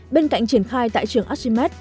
bên cạnh triển khai tại trường asemed